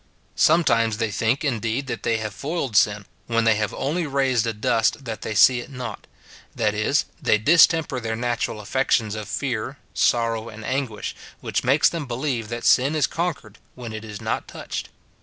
Sometimes they think, indeed, that they have foiled sin, when they have only raised a dust that they see it not ; that is, they distemper their natural affections of fear, sorrow, and anguish, which makes them believe that sin is con quered when it is not touched.